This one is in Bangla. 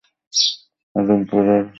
আজিমপুর এর নামকরণ নিয়ে বিতর্ক আছে।